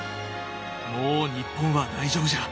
もう日本は大丈夫じゃ。